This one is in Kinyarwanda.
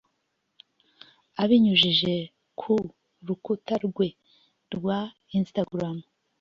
Abinyujije ku rukuta rwe rwa Instagram